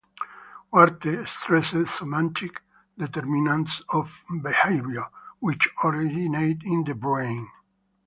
Huarte stressed "somatic determinants of behavior" which originate in the brain.